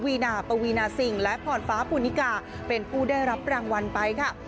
นาปวีนาซิงและพรฟ้าปูนิกาเป็นผู้ได้รับรางวัลไปค่ะ